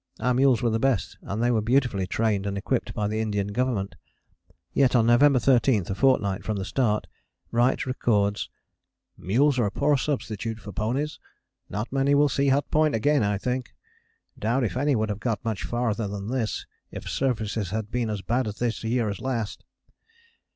Our mules were of the best, and they were beautifully trained and equipped by the Indian Government: yet on November 13, a fortnight from the start, Wright records, "mules are a poor substitute for ponies. Not many will see Hut Point again, I think. Doubt if any would have got much farther than this if surfaces had been as bad this year as last."